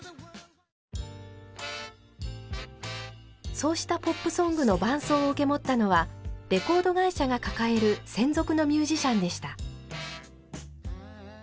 そうしたポップソングの伴奏を受け持ったのはレコード会社が抱える専属のミュージシャンでした。